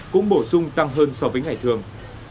cũng bổ sung tăng hơn so với ngày thường